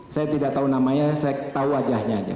saya tidak tahu namanya saya tahu wajahnya aja